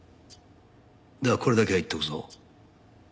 だがこれだけは言っておくぞ。